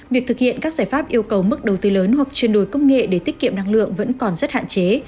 việc thực hiện các giải pháp yêu cầu mức đầu tư lớn hoặc chuyển đổi công nghệ để tiết kiệm năng lượng vẫn còn rất hạn chế